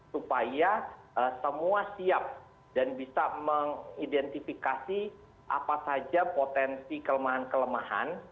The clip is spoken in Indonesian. supaya semua siap dan bisa mengidentifikasi apa saja potensi kelemahan kelemahan